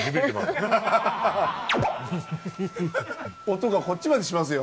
音がこっちまでしますよ。